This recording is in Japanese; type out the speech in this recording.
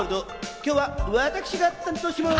今日は私が担当します！